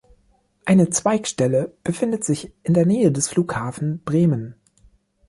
Eine Zweigstelle befindet sich in der Nähe des Flughafen Bremen.